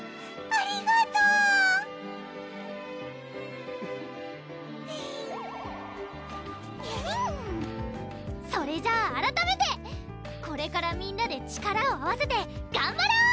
ありがとうそれじゃああらためてこれからみんなで力を合わせてがんばろう！